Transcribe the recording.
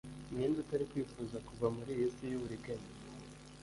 ninde utari kwifuza kuva muri iyi si y'uburiganya